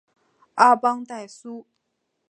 阿邦代苏。